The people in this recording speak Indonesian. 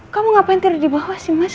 kamu ngapain tidur di bawah sih mas